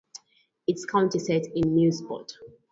Its county seat is Newport.